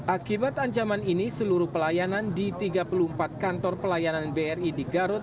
akibat ancaman ini seluruh pelayanan di tiga puluh empat kantor pelayanan bri di garut